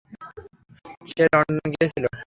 সে London গিয়েছিল।